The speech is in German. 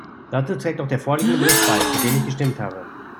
Dazu trägt auch der vorliegende Bericht bei, für den ich gestimmt habe.